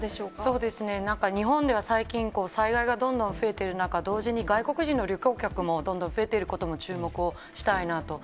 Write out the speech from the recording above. そうですね、なんか日本では最近、災害がどんどん増えている中、同時に外国人の旅行客もどんどん増えていることも、注目をしたいなと。